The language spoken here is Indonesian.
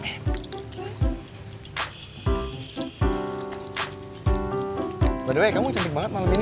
by the way kamu cantik banget malam ini